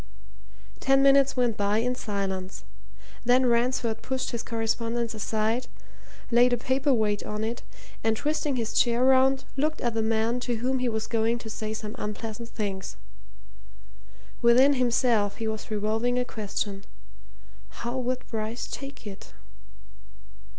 Ten minutes went by in silence; then Ransford pushed his correspondence aside, laid a paper weight on it, and twisting his chair round, looked at the man to whom he was going to say some unpleasant things. Within himself he was revolving a question how would Bryce take it?